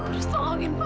aku harus tolongin bapak